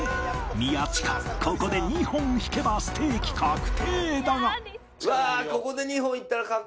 宮近ここで２本引けばステーキ確定だが